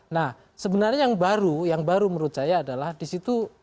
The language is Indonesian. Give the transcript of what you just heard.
nah sebenarnya yang baru yang baru menurut saya adalah di situ dilaporkan bahwa pak